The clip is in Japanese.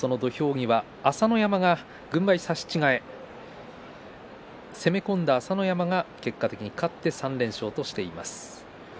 朝乃山が軍配差し違え攻め込んだ朝乃山が結果的に勝って３連勝としています。